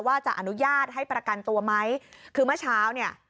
ว่าจะอนุญาตให้ประกันตัวไหมคือเมื่อเช้าเนี่ย